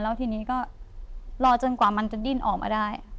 แล้วทีนี้ก็รอจนกว่ามันจะดิ้นออกมาได้